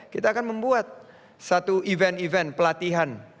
kita akan membuat satu event event pelatihan